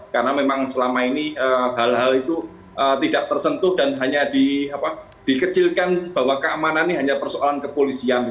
karena memang selama ini hal hal itu tidak tersentuh dan hanya dikecilkan bahwa keamanan ini hanya persoalan kepolisian